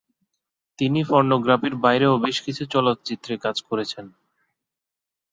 তিনি পর্নোগ্রাফির বাইরেও বেশ কিছু চলচ্চিত্রে কাজ করেছেন।